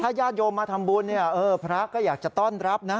ถ้าญาติโยมมาทำบุญพระก็อยากจะต้อนรับนะ